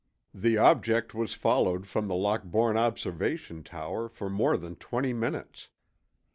The object was followed from the Lockbourne observation tower for more than 20 minutes.